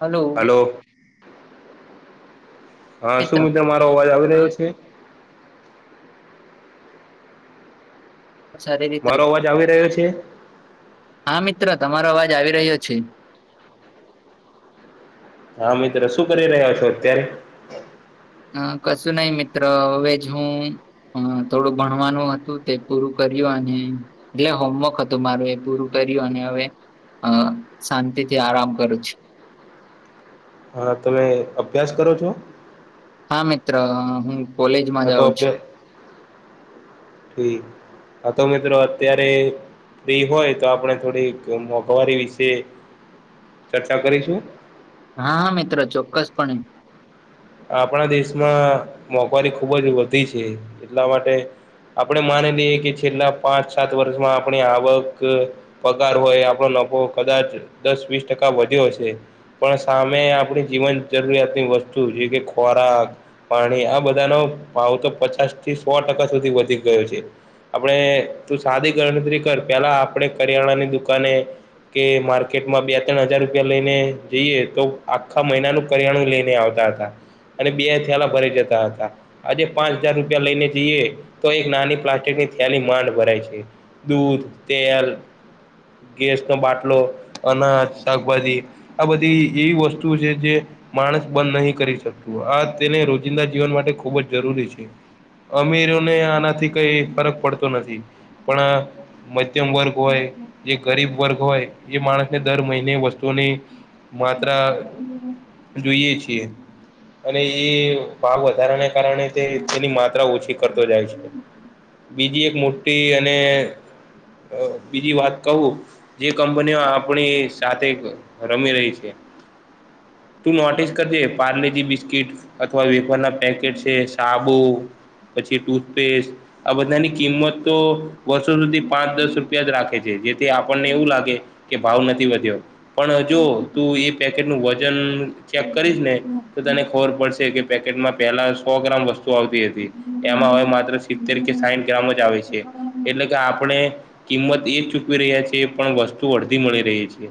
Hello. હા શું મિત્ર મારો અવાજ આવી રહ્યો છે? સારી રીતે મારો અવાજ આવી રહ્યો છે? હા મિત્ર તમારો અવાજ આવી રહ્યો છે. હા મિત્ર શું કરી રહ્યા છો અત્યારે. હ કશું નહી મિત્ર હવે હુ હ થોડું ભણવાનું હતું તે પૂરું કર્યું અને એટલે હોમવર્ક હતું મારું એ પૂરું કર્યું અને હવે અ શાંતિ થી આરામ કરું છુ. હા તમે અભ્યાસ કરો છો? હા મિત્ર હું હ કોલેજમાં તો જાઉં છું અભ્યાસ આ તો મિત્રો અત્યારે ફ્રી હોય તો આપણે થોડી મોંઘવારી વિશે ચર્ચા કરીશું. હા મિત્ર ચોક્કસ પણે. આપણા દેશમાં મોંઘવારી ખુબ જ વધી છે એટલા માટે આપણે માની લઈએ કે છેલ્લા પાંચ સાત વર્ષમાં આપણે આવક પગાર હોય આપણો નફો કદાચ દસ વીસ ટકા વધ્યો છે. પણ સામે આપણી જીવન જરૂરિયાતની વસ્તુ જે કે ખોરાક પાણી આ બધાનો ભાવ તો પચાસ થી સો ટકા સુધી વધી ગયો છે. આપણે તું સાદી ગણતરી કર પેલા આપણે કરિયાણાની દુકાને કે માર્કેટમાં બે ત્રણ હજાર રૂપિયા લઈને જઈએ તો આખા મહિનાનું કરિયાણું લઈને આવતા હતા. અને બે થેલા ભરાઈ જતા હતા. આજે પાંચ હજાર રૂપિયા લઈને જઈએ તો એક નાની પ્લાસ્ટિકની થયાલી માંડ ભરાય છે. દૂધ, તેલ, ગેસ નો બાટલો અને શાકભાજી આ બધી એવી વસ્તુ છે જે માણસ બંધ નહીં કરી શકે. આ તેને રોજિંદા જીવન માટે ખુબ જ જરૂરી છે, અમીરોને આનાથી કઈ ફરક પડતો નથી પણ મધ્યમ વર્ગ હોય જે ગરીબ વર્ગ હોય એ માણસને દર મહિને વસ્તુની માત્ર જોઈએ છીએ. અને એ ભાવ વધારાને કારણે તે તેની માત્રા ઓછી કરતો જાય છે. બીજી એક મોટી અને બીજી વાત કવું. જે કંપનીઓ આપણી સાથે રમી રહી છે. તું નોટિસ કરજે પાર્લી બિસ્કીટ અથવા વેપારના પેકેટ છે સાબુ પછી ટુથપેસ્ટ આ બધાની કિંમત તો વર્ષો સુધી પાંચ દસ રૂપિયા જ રાખે છે, જેથી આપણને એવું લાગે કે ભાવ નથી વધ્યો પણ જો તું એ પેકેટનું વજન ચેક કરીશ ને તો તને ખબર પડશે કે પેકેટમાં પહેલા સો ગ્રામ વસ્તુ આવતી હતી. એમાં હવે માત્ર સિત્તેર કે સાહીઠ ગ્રામો જ આવે છે. એટલે કે આપણે કિંમત એજ ચૂકવી રહ્યા છીએ પણ વસ્તુ અડધી મળી રહી છે.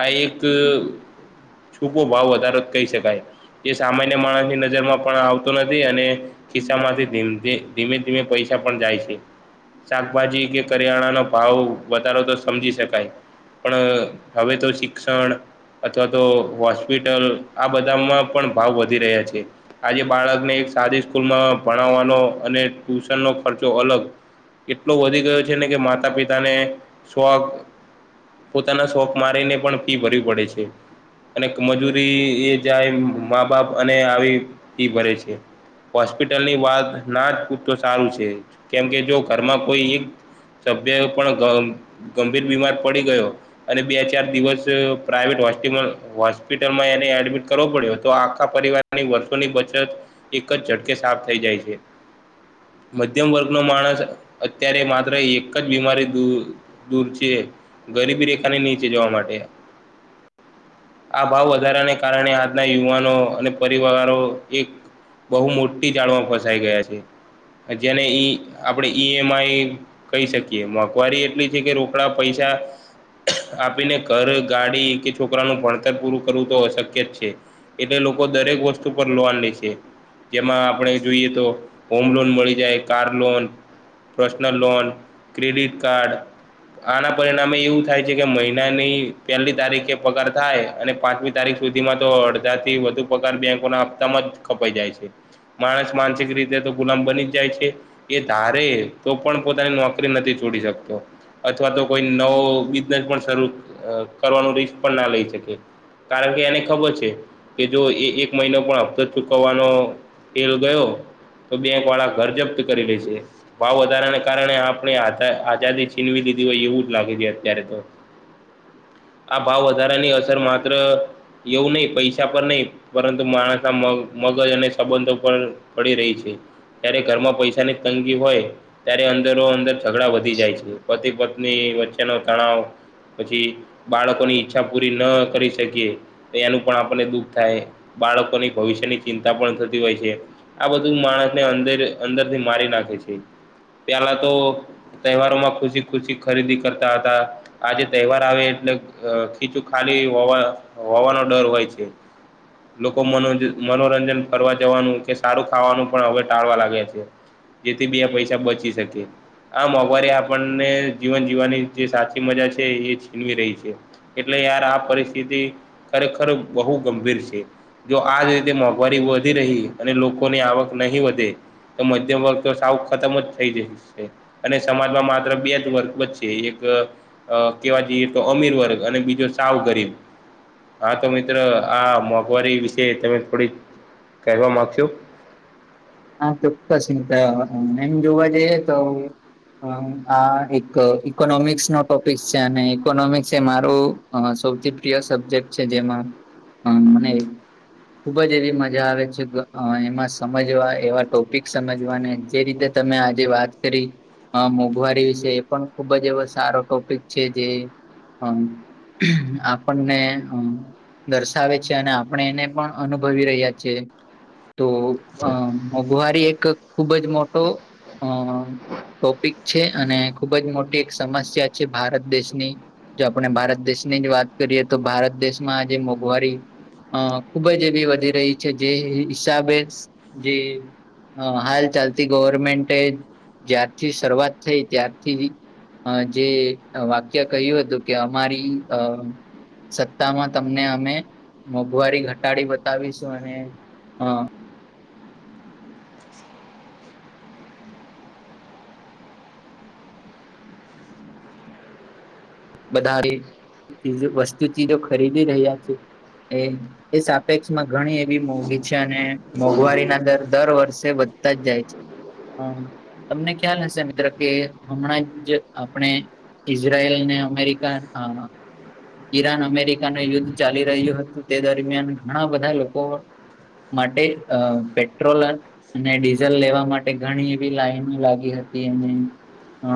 આ એક છૂપો ભાવ વધારો કહી શકાય. એ સામાન્ય માણસની નજર માં પણ આવતો નથી અને ખિસ્સા માંથી [unintelligible] ધીમે ધીમે પૈસા પણ જાય છે. શાકભાજી કે કરિયાણા નો ભાવ વધારો તો સમજી શકાય. પણ હવે તો શિક્ષણ અથવા તો હોસ્પિટલ આ બધામાં. પણ ભાવ વધી રહ્યા છે. આજે બાળકને એક સાદી સ્કૂલમાં ભણાવવાનો અને ટ્યુશનનો ખર્ચો અલગ. એટલો વધી ગયો છે ને કે માતા-પિતાને શોખ પોતાના શોક મારીને પણ ફી ભરવી પડે છે. અને મજૂરી એ જાય મા બાપ અને આવી એ ભરે છે. હોસ્પિટલ ની વાત ના જ પુછતો સારું છે, કેમ કે જો ઘરમાં કોઈ એક સભ્ય પણ ગંભીર બીમાર પડી ગયો. અને બે ચાર દિવસ પ્રાઇવેટ હો હોસ્પિટલમાં એને એડમિટ કરવો પડ્યો હતો. તો આખા પરિવારની વર્ષોની બચત એક જ ઝટકે સાફ થઈ જાય છે. મધ્યમ વર્ગ નો માણસ અત્યારે માત્ર એક જ બીમારી દૂર દૂર છે, ગરીબી રેખાને નીચે જોવા મળે છે. આ ભાવ વધારાને કારણે આજના યુવાનો અને પરિવારો એક બહુ મોટી જાડમાં ફસાઈ ગયા છે. જેને ઈ આપણે ઈ. એમ. આઈ. કહી શકીએ મોંઘવારી એટલી છે કે રોકડા પૈસા આપીને ઘર, ગાડી કે છોકરાનું ભણતર પૂરું કરવું તો અશક્ય છે. એટલે લોકો દરેક વસ્તુ પર લોન લે છે. જેમાં આપણે જોઈએ તો, હોમ લોન મળી જાય, car loan. Personal loan, credit card. આના પરિણામે એવું થાય છે કે મહિનાની પહેલી તારીખે પગાર થાય અને પાંચમી તારીખ સુધીમાં તો અડધા થી વધુ પગાર બેંકો ના હપ્તામાં જ કપાઈ જાય છે. માણસ માનસિક રીતે તો ગુલામ બની જ જાય છે. એ ધારે તો પણ પોતાની નોકરી નથી છોડી શકતો. અથવા તો કોઈ નવો બિઝનેસ પણ શરૂ કરવાનું રિસ્ક પણ ના લઈ શકે. કારણ કે એને ખબર છે. કે જો એ એક મહિનો પણ હપતો ચૂકવવાનો તેલ ગયો. તો બેંક વાળા ઘર જપ્ત કરી લે છે. ભાવ વધારાને કારણે, આપણે આઝાદી છીનવી લીધી હોય એવું જ લાગે છે. અત્યારે તો. આ ભાવ વધારાની અસર માત્ર એવું નહીં પૈસા પર નહીં, પરંતુ માણસ, મગજ અને સંબંધો પર પડી રહી છે. જય્યારે ઘરમાં પૈસાની તંગી હોય, ત્યારે અંદરો-અંદર ઝઘડા વધી જાય છે, પતિ-પત્ની ની વચ્ચેનો તણાવ. પછી બાળકોની ઈચ્છા પૂરી ન કરી શકીએ, તો એનું પણ આપ આપને દુઃખ થાય બાળકોની ભવિષ્યની ચિંતા પણ થતી હોય છે. આ બધું માણસને અંદર-અંદર થી મારી નાખે છે પેલા તો તહેવારો માં ખુશી-ખુશી ખરીદી કરતા હતા. આજે તહેવાર આવે એટલે ખીચું ખાલી હોવા હોવાનો ડર હોય છે. એકમ [unintelligible] લોકોનો મનોરંજન કરવા જવાનું કે સારું ખાવાનું પણ હવે ટાળવા લાગે છે. જેથી બી આ પૈસા બચી શકે. આ મોંઘવારી આપણને જીવન જીવવાની જે સાચી મજા છે એ છીનવી રહી છે. એટલે યાર આ પરિસ્થિતિ ખરેખર બહુ ગંભીર છે. જો આજ રીતે મોંઘવારી વધી રહી અને લોકોની આવક નહીં વધે. તો મધ્યમ વર્ગ તો સાવ ખતમ જ થઈ જાય છે. અને સમાજમાં માત્ર બે જ વર્ગ વચ્ચે એક અ કેવા જઈએ તો, અમીર વર્ગ અને બીજો સાવ ગરીબ. હા, તમે મિત્ર આ મોંઘવારી વિશે તમે થોડીક કહેવા માગશો? હા, ચોક્કસતા એમ જોવા જઈએ તો. આ એક ઈકોનોમિક્સ નો ટોપિક છે, અને ઇકોનોમિક્સ એ મારું અ સૌથી પ્રિય સબ્જેક્ટ છે જેમાં મને ખુબ જ એવી મજા આવે છે, એમાં સમજવા એવા ટોપિક સમજવાને જે રીતે તમે આજે વાત કરી. હા, મોંઘવારી વિશે એ પણ ખુબ જ એવો સારો ટોપિક છે જે હમ, આપણને દર્શાવે છે, અને આપણે એને પણ અનુભવી રહ્યા છે. એ તો મોંઘવારી એક ખુબ જ મોટો ટોપિક છે, અને ખુબ જ મોટી એક સમસ્યા છે ભારત દેશની. જો આપણે ભારત દેશની જ વાત કરીએ તો, ભારત દેશમાં આજે મોંઘવારી અ ખુબ જ એ બી વધી રહી છે, જે હિસાબે જે હ, હાલ ચાલતી ગવર્મેન્ટ જ્યારથી શરૂઆત થઈ, ત્યારથી અ જે વાક્ય કહ્યું હતું કે, અમારી અ સત્તામાં, તમને અમે મોંઘવારી ઘટાડી બતાવીશું, અને બધા વસ્તુ ચીજો ખરીદી રહ્યા છે એ એ સાપેક્ષમાં ઘણી એવી મોંઘી છે, અને મોંઘવારીના દર દર વર્ષે વધતા જ જાય છે. હ. તમને ખ્યાલ હશે, મિત્ર, કે હમણાં જ આપણે ઈઝરાયલ ને અમેરિકા, હા. ઈરાન-અમેરિકાનું યુદ્ધ ચાલી રહ્યું હતું, તે દરમિયાન ઘણા બધા લોકો માટે અ પેટ્રોલ અને ડીઝલ લેવા માટે ઘણી એવી લાઈનો લાગી હતી. હ,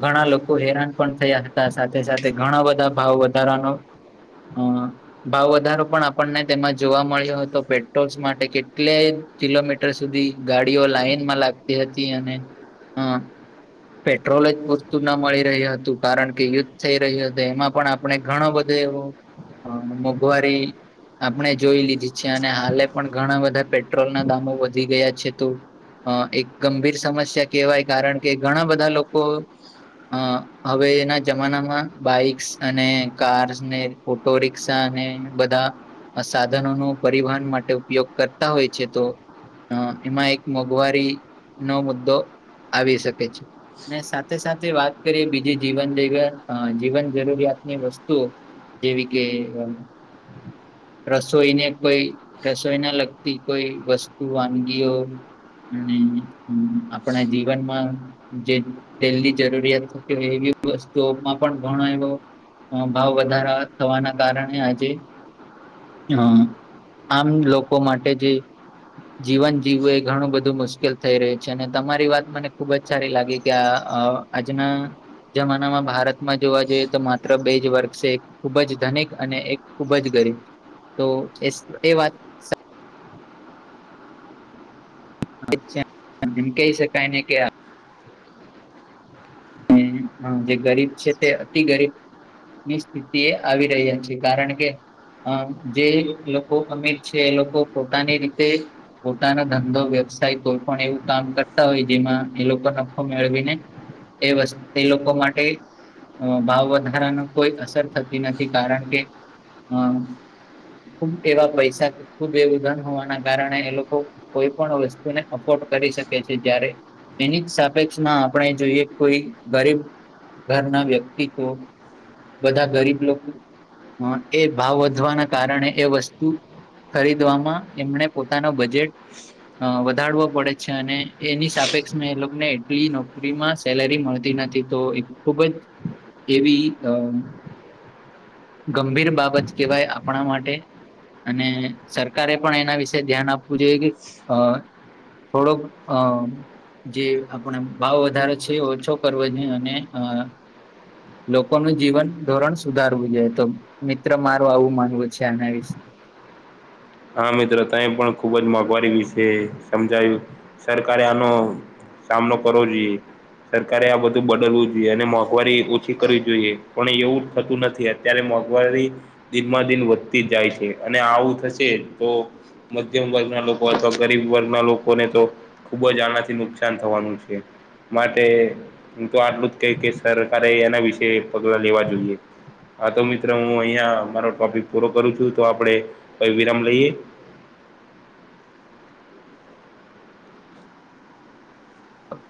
ઘણા લોકો હેરાન પણ થયા હતા. સાથે સાથે, ઘણા બધા ભાવ તારનો, હ. ભાવ વધારો પણ આપણને તેમાં જોવા મળ્યો હતો. પેટ્રોલ્સ માટે, કેટલી કિલોમીટર સુધી ગાડીઓ લાાઈનમાં લાગતી હતી, અને હ પેટ્રોલ જ પૂરતું ન મળી રહ્યું હતું, કારણ કે યુદ્ધ થઈ રહ્યું હતું. એમાં પણ આપણે ઘણો બધો એવો મોંઘવારી આપણે જોઈ લીધી છે, અને હાલે પણ ઘણા બધા પેટ્રોલના દામો વધી ગયા છે. તે અ એક ગંભીર સમસ્યા કહેવાય, કારણ કે ઘણા બધા લોકો અ હવે એના જમાનામાં બાઈક્સ અને કાર્સ ને, ઓટો રિક્ષા ને બધા સાધનો નો પરિવહન માટે ઉપયોગ કરતા હોય છે તો. હ, એમાં એક મોંઘવારી નો મુદ્દો આવી શકે છે. ને સાથે સાથે વાત કરીએ, બીજી જીવન જવ જીવન જરૂરિયાત. ની વસ્તુઓ, જેવી કે રસોઈને કોઈ રસોઈને લગતી કોઈ વસ્તુ વાનગીઓ. અને આપણા જીવનમાં જે તેલની જરૂરિયાત થતી હોય, એવી વસ્તુઓમાં પણ ઘણો એવો અ ભાવ વધારા થવાના કારણે આજે હમ, આમ લોકો માટે જે જીવન જીવવું એ ઘણું બધું મુશ્કેલ થઈ રહ્યું છે. અને તમારી વાત મને ખુબ જ સારી લાગી કે, આ આજના જમાનામાં ભારતમાં જોવા જોઈએ તો બેે જ વર્ગ છે. ખૂબ જ ધનિક અને એક ખૂબ જ ગરીબ. તો એ એ વાત એમ કહી શકાય ને કે હમ, જે ગરીબ છે, તે અતિ ગરીબ ની સ્થિતિ એ આવી રહી છે, કારણ કે અ જે લોકો અમીર છે, એ લોકો પોતાની રીતે પોતાનો ધંધો, વ્યવસાય, કોઈ પણ એવું કામ કરતા હોય, જેમાં એ લોકો નફો મેળવીને એ, વ તે લોકો માટે અ, ભાવ વાધારાની કોઈ અસર થતી નથી, કારણ કે અ ખૂબ એવા પૈસા ખુબ એવું ધન હોવાના કારણે એ લોકો. કોઈ પણ વસ્તુને અફોર્ડ કરી શકે છે જ્યારે એની જ સાપેક્ષમાં આપણે જોઈએ. કોઈ ગરીબ ઘર ના વ્યક્તિ તો બધા ગરીબ લોકો. એ ભાવ વધવાના કારણે એ વસ્તુ ખરીદવામાં એમને પોતાનો બજેટ અ, વધારવો પડે છે, અને એની સાપેક્ષમાં એને એટલી નોકરીમાં સેલેરી મળતી નથી, તો એક ખુબ જ એવી ગંભીર બાબત કહેવાય આપણા માટે. અને સરકારે પણ એના વિશે ધ્યાન આપવું જોઈએ કે થોડોક અ જે આપણે ભાવ વધારે પછી ઓછો કરવાવ નઈ અને અ લોકોનું જીવન ધોરણ સુધારવું જોઈ તો મિત્ર મારું આવું માનવું છે આના વિશે. હા મિત્રો ત પણ ખુબ જ મોંઘવારી વિશે સમજાય્યું, સરકારે આનો સામનો કરવો જોઈએ. સરકારે આ બધું બદલવું જોઈએ અને મોંઘવારી ઓછી કરવી જોઈએ, પણ એવું થતું નથી. અ્યારે મોંઘવારી, દિનમાં દિન વધતી જ જાય છે અને આવું થશે તો મધ્યમ વર્ગના લોકો અથવા ગરીબ વર્ગના લોકોને તો ખુબ જ આનાથી નુકસાન થવાનું છે. માટે હું તો આટલું જ ક કે સરકારે એના વિશે પગલા લેવા જોઈએ. હા તો મિત્ર હું અહિયાં મારો ટોપિક પૂરો કરું છું તો આપડે કઈ વિરામ લઈએ. હ [inaudible]